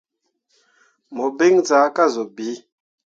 Mu biŋ zaa ka zuu bii.